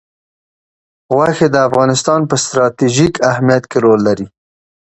غوښې د افغانستان په ستراتیژیک اهمیت کې رول لري.